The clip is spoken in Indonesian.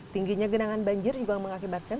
tingginya genangan banjir juga mengakibatkan